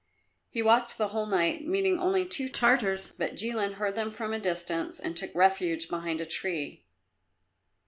He walked the whole night, meeting only two Tartars, but Jilin heard them from a distance and took refuge behind a tree.